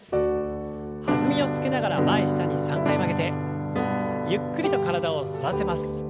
弾みをつけながら前下に３回曲げてゆっくりと体を反らせます。